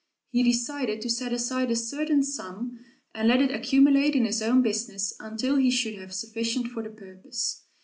He decided to set aside a certain sum, and let it accumulate in his own business until he should have sufficient for the purpose.